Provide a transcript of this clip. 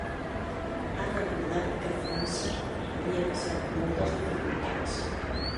Ha recordat que França havia passat moltes dificultats.